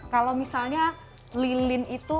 kalau misalnya lilin itu